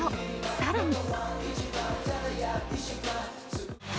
更に。